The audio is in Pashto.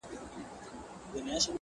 • يوه ورځ پر اوداسه ناست پر گودر وو,